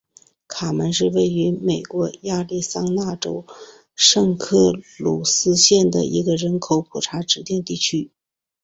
卡门是位于美国亚利桑那州圣克鲁斯县的一个人口普查指定地区。